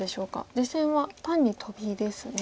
実戦は単にトビですね。